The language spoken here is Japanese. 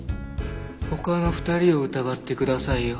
他の２人を疑ってくださいよ。